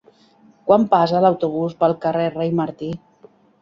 Quan passa l'autobús pel carrer Rei Martí?